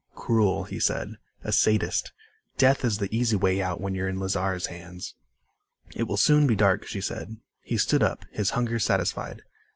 "Cruel," he said. "A sadist. Death is the easy way out when you're in Lazar's hands." "It will soon be dark," she said. He stood up, his hunger satisfied.